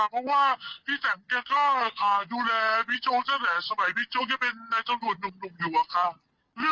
เรื่องของการที่จะเลือกเฟื้อ